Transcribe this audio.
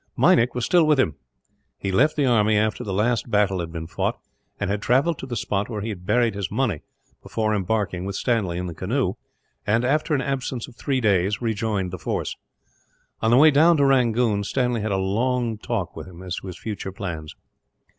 Meinik was still with him. He had left the army after the last battle had been fought, and had travelled to the spot where he had buried his money before embarking with Stanley in the canoe and, after an absence of three days, rejoined the force. On the way down to Rangoon, Stanley had a long talk with him as to his future plans.